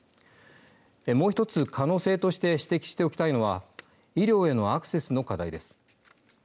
もう一つ可能性として指摘しておきたいのは医療へのアクセスの課題です。